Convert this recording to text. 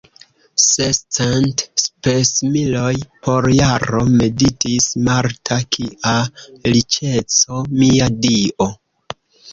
Sescent spesmiloj por jaro, meditis Marta, kia riĉeco, mia Dio!